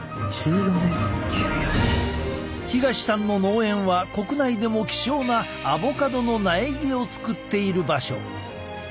東さんの農園は国内でも希少なアボカドの苗木を作っている場所。